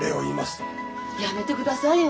やめてくださいよ。